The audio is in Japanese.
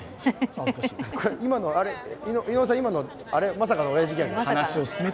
井上さん、まさかのおやじギャグ？